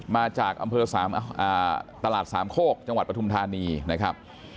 มาจากอำเภอตลาดสามโคกจังหวัดปฐุมธานีนะครับ